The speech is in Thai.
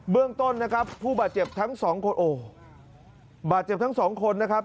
เรื่องต้นนะครับผู้บาดเจ็บทั้งสองคนโอ้บาดเจ็บทั้งสองคนนะครับ